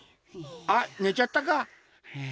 あっねちゃったか。